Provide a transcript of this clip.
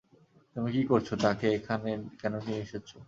তুমি কি করছো, তাকে এখানে কেন নিয়ে এসেছো?